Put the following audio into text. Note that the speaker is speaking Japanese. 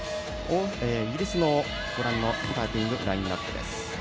イギリスのスターティングラインナップ。